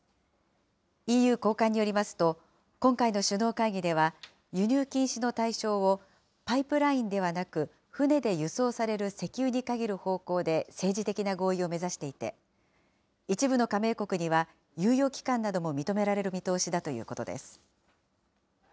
ＥＵ高官によりますと、今回の首脳会議では、輸入禁止の対象をパイプラインではなく、船で輸送される石油に限る方向で政治的な合意を目指していて、一部の加盟国には猶予期間なども認められる見通しだということです。